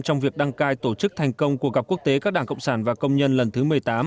trong việc đăng cai tổ chức thành công cuộc gặp quốc tế các đảng cộng sản và công nhân lần thứ một mươi tám